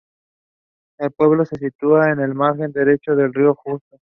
El pueblo se sitúa en el margen derecho del río Júcar.